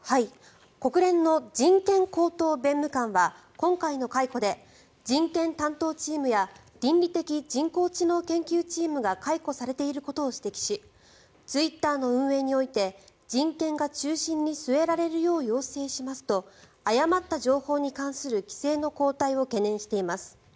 国連の人権高等弁務官は今回の解雇で人権担当チームや倫理的人工知能研究チームが解雇されていることを指摘しツイッターの運営において人権が中心に据えられるよう要請しますと誤った情報に関する規制の後退を懸念しています。